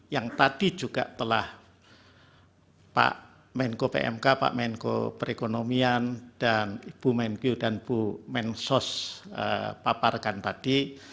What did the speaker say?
yang tadi juga telah pak menko pmk pak menko perekonomian dan ibu menkyu dan bu mensos paparkan tadi